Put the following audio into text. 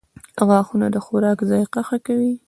• غاښونه د خوراک ذایقه ښه کوي.